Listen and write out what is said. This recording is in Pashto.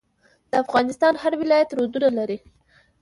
د افغانستان هر ولایت رودونه لري.